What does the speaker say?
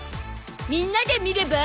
みんなで見れば？